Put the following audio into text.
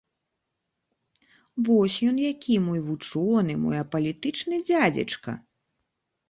Вось ён які, мой вучоны, мой апалітычны дзядзечка!